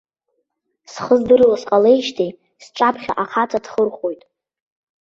Схы здыруа сҟалеижьҭеи сҿаԥхьа ахаҵа дхырхәоит.